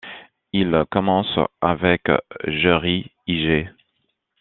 Il commence avec Jerry Iger.